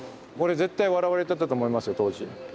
これ絶対笑われてたと思いますよ当時。